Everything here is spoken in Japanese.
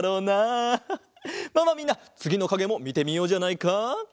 まあまあみんなつぎのかげもみてみようじゃないか。